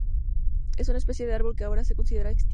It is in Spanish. Es una especie de árbol que ahora se considera extinto.